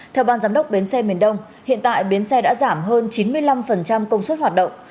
theo ban giám đốc bến xe miền đông hiện tại bến xe đã giảm hơn chín mươi năm công suất hoạt động